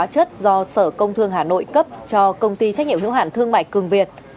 hóa chất do sở công thương hà nội cấp cho công ty trách nhiệm hiếu hạn thương mại cường việt